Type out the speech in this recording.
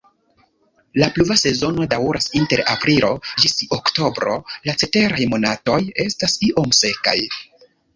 La pluva sezono daŭras inter aprilo ĝis oktobro, la ceteraj monatoj estas iom sekaj.